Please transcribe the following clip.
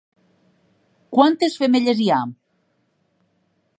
Quantes femelles hi ha?